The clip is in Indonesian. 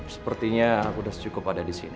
sepertinya sudah cukup ada di sini